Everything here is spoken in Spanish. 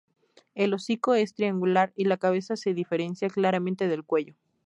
El hocico es triangular y la cabeza se diferencia claramente del cuello.